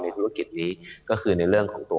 ธุรกิจนี้ก็คือในเรื่องของตัว